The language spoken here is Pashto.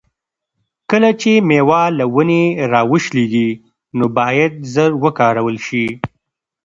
کله چې مېوه له ونې را وشلیږي نو باید ژر وکارول شي.